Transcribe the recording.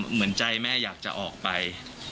เหมือนใจแม่อยากจะออกไป